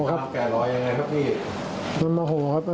อำกลามแก่ร้อยอย่างไรข้างนั้นครับ